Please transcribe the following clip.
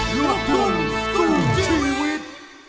รับต้นสู้ชีวิต